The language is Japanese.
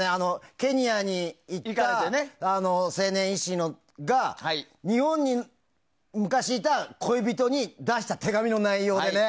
ケニアに行った青年医師が日本に昔いた恋人に出した手紙の内容でね。